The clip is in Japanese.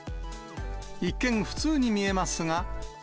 一見、普通に見えますが。